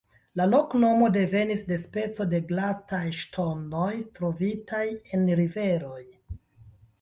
La loknomo devenis de speco de glataj ŝtonoj trovitaj en riveroj.